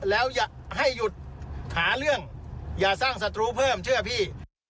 แล้วอย่าให้หยุดหาเรื่องอย่าสร้างศัตรูเพิ่มเชื่อพี่